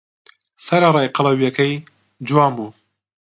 سەرەڕای قەڵەوییەکەی، جوان بوو.